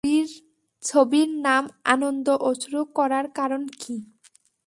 ছবির নাম আনন্দ অশ্রু করার কারণ কী?